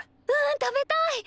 うん食べたい！